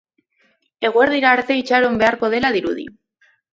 Eguerdira arte itxaron beharko dela dirudi.